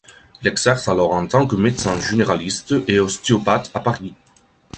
Il exerce alors en tant que médecin généraliste et ostéopathe à Paris.